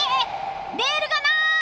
レールがない！